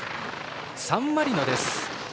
サンマリノです。